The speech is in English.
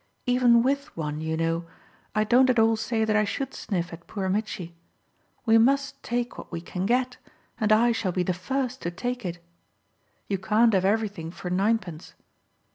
Even WITH one, you know, I don't at all say that I should sniff at poor Mitchy. We must take what we can get and I shall be the first to take it. You can't have everything for ninepence."